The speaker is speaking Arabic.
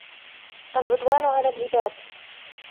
الْعُدْوَانُ عَلَى الْعِبَادِ